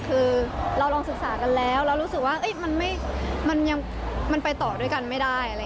คือเราลองศึกษากันแล้วแล้วรู้สึกว่ามันไปต่อด้วยกันไม่ได้